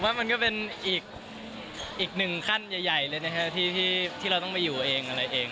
ว่ามันก็เป็นอีกหนึ่งขั้นใหญ่เลยนะครับที่เราต้องไปอยู่เองอะไรเอง